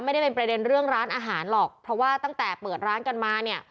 ไม่ได้เป็นประเด็นเรื่องร้านอาหารหรอกเพราะว่าตั้งแต่เปิดร้านกันมาเนี่ย